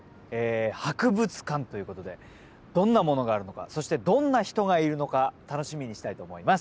博物館ということでどんなものがあるのかそしてどんな人がいるのか楽しみにしたいと思います。